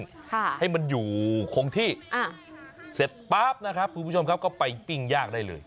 ค่ะให้มันอยู่คงที่อ่าเสร็จป๊าบนะครับคุณผู้ชมครับก็ไปปิ้งย่างได้เลย